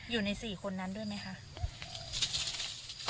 อยู่ใน๔คนนั้นด้วยไหมคะ